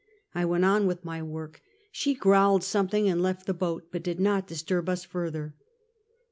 I went on with my work; she growled something and left the boat, but did not disturb us further.